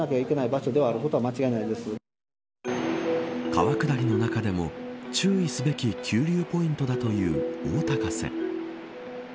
川下りの中でも注意すべき急流ポイントだという大高瀬。